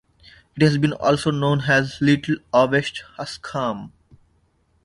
It has been also known as "Little" or "West" Askham".